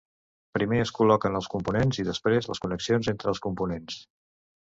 Primer es col·loquen els components i després les connexions entre els components.